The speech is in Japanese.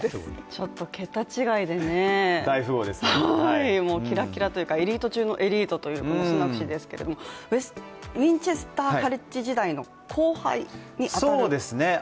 ちょっと桁違いでね、キラキラというか、エリート中のエリートというスナク氏ですけれどもウィンチェスターカレッジ時代の後輩に当たるわけですか？